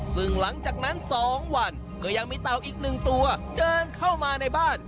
ซึ่งหลังจากนั้น๒วันก็ยังมีเต่าอีกหนึ่งตัวเดินเข้ามาในบ้าน